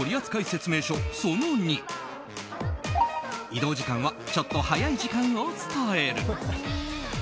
移動時間はちょっと早い時間を伝える。